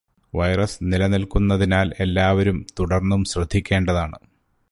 Virus നിലനില്ക്കുന്നതിനാല് എല്ലാവരും തുടര്ന്നും ശ്രദ്ധിക്കേണ്ടതാണ്.